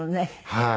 はい。